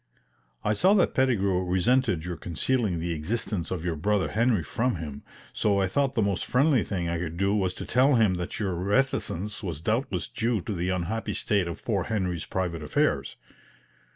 I saw that Pettigrew resented your concealing the existence of your brother Henry from him, so I thought the most friendly thing I could do was to tell him that your reticence was doubtless due to the unhappy state of poor Henry's private affairs.